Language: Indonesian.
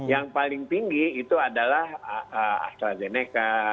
yang paling tinggi itu adalah astrazeneca